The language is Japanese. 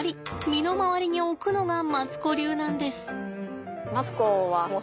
身の回りに置くのがマツコ流なんです。